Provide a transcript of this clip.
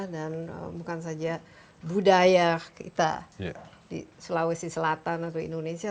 dan bukan saja budaya kita di sulawesi selatan atau indonesia